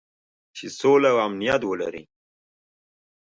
چې سوله او امنیت ولري.